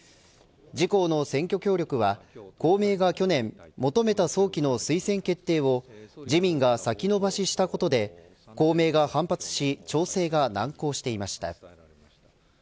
自公の選挙協力は公明が去年、早期の推薦決定を自民が先延ばししたことで公明が反発し調整が難航していました。